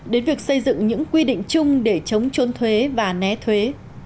đến việc xây dựng những quy định chung để chống chôn thuế và né thuế